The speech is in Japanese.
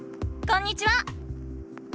こんにちは！